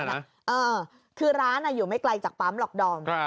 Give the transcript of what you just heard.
เออคือร้านอยู่ไม่ไกลจากปั๊มหรอกดอม